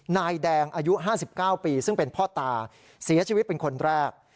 นายแดงอายุ๕๙ปีซึ่งเป็นพ่อตาเสียชีวิตเป็นคนแรก